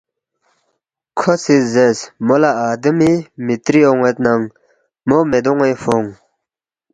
کھو سی زیرس، ”مو لہ آدمی می تری اون٘ید ننگ مو مے دونِ٘نگ فونگ